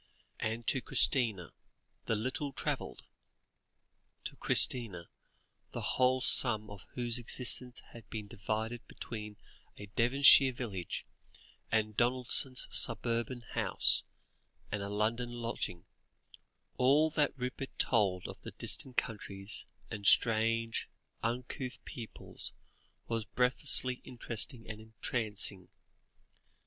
And to Christina, the little travelled to Christina, the whole sum of whose existence had been divided between a Devonshire village, the Donaldsons' suburban house, and a London lodging all that Rupert told of distant countries, and strange, uncouth peoples was breathlessly interesting and entrancing.